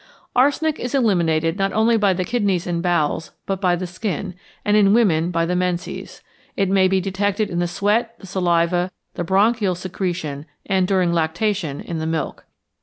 Arsenic is eliminated not only by the kidneys and bowels, but by the skin, and in women by the menses. It may be detected in the sweat, the saliva, the bronchial secretion, and, during lactation, in the milk.